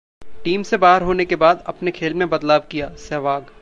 team से बाहर होने के बाद अपने खेल में बदलाव किया: सहवाग